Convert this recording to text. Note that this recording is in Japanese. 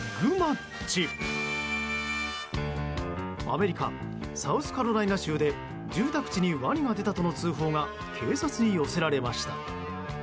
アメリカサウスカロライナ州で住宅地にワニが出たとの通報が警察に寄せられました。